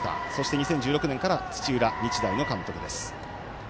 ２０１６年から土浦日大の監督です。